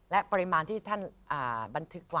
และปริมาณที่ท่านบันทึกไว้